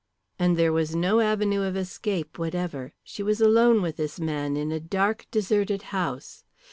And there was no avenue of escape whatever. She was alone with this man in a dark, deserted house.